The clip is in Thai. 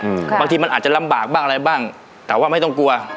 บางทีมันอาจจะลำบากบ้างอะไรบ้างแต่ว่าไม่ต้องกลัว